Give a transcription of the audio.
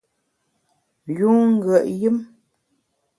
Yun ngùet yùm !